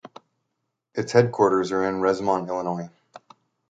Its headquarters are in Rosemont, Illinois.